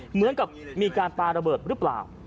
เหมือนกับมีการปาระเบิดหรือเปล่า